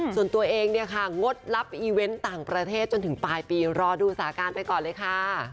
ส่วนตัวเองเนี่ยค่ะงดรับอีเวนต์ต่างประเทศจนถึงปลายปีรอดูสาการไปก่อนเลยค่ะ